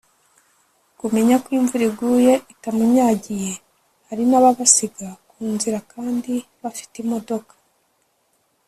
Kumenya ko imvura iguye itamunyagiye (hari n´ababasiga ku nzira kandi bafite imodoka)